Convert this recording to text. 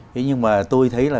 thế nhưng mà tôi thấy là